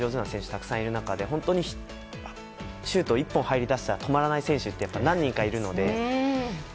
たくさんいる中で、本当にシュートが１本、入りだしたら止まらない選手って何人かいるので。